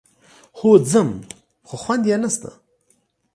هو ځم، خو خوند يې نشته.